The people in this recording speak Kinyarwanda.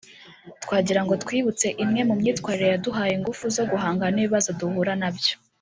twagirango twiyibutse imwe mu myitwarire yaduhaye ingufu zo guhangana n’ibibazo duhura nabyo